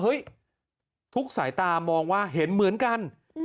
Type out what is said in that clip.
ทุกสายตามองว่าเห็นเหมือนกัน